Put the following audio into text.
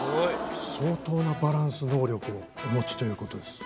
相当なバランス能力をお持ちということです。